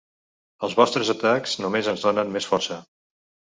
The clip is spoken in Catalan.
Els vostres atacs només ens donen més força.